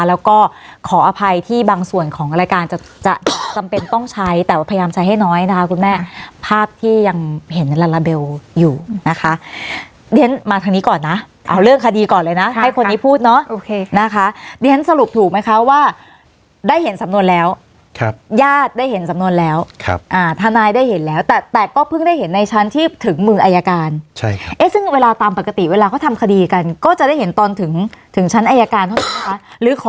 แล้วก็ขออภัยที่บางส่วนของรายการจะจำเป็นต้องใช้แต่ว่าพยายามใช้ให้น้อยนะคะคุณแม่ภาพที่ยังเห็นลาลาเบลอยู่นะคะดิฉันมาทางนี้ก่อนนะเอาเรื่องคดีก่อนเลยนะให้คนนี้พูดเนาะนะคะดิฉันสรุปถูกไหมคะว่าได้เห็นสำนวนแล้วครับญาติได้เห็นสำนวนแล้วครับอ่าทานายได้เห็นแล้วแต่แต่ก็เพิ่งได้เห็นในชั้นที่ถึงหมื่น